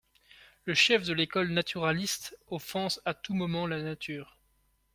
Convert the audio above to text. Ce chef de l'école naturaliste offense à tout moment la nature.